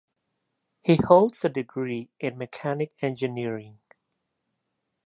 He holds a degree in mechanic engineering.